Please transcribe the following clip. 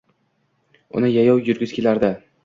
Uni yayov yurgisi kelardi